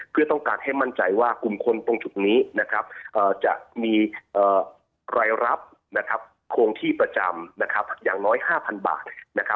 เพื่อต้องการให้มั่นใจว่ากลุ่มคนตรงจุดนี้จะมีรายรับโครงที่ประจำอย่างน้อย๕๐๐บาท